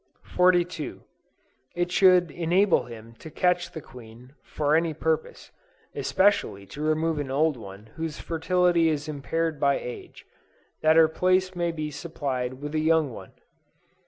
42. It should enable him to catch the queen, for any purpose; especially to remove an old one whose fertility is impaired by age, that her place may be supplied with a young one.